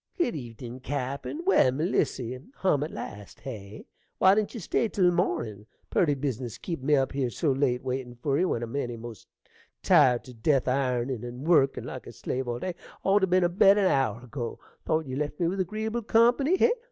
Good evenin', cappen! Well, Melissy, hum at last, hey? Why didn't you stay till mornin'? Purty business keepin' me up here so late waitin' for you, when I'm eny most tired to death iornin' and workin' like a slave all day, ought to ben abed an hour ago. Thought ye left me with agreeable company, hey?